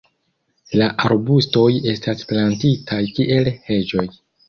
La arbustoj estas plantitaj kiel heĝoj.